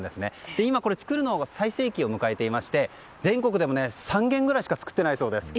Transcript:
今、これを作るのが最盛期を迎えていまして全国でも３軒ぐらいしか作っていないそうです。